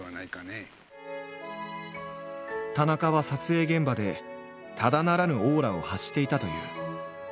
田中は撮影現場でただならぬオーラを発していたという。